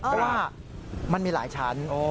เพราะว่ามันมีหลายชั้น